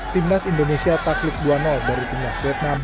timnas indonesia tak klip dua dari timnas vietnam